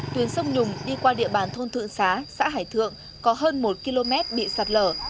tuyến sông nhùng đi qua địa bàn thôn thượng xá xã hải thượng có hơn một km bị sạt lở